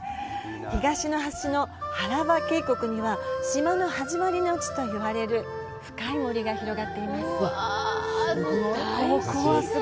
東の端のハラヴァ渓谷には島の始まりの地と言われる深い森が広がっています。